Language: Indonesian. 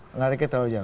tariknya terlalu jauh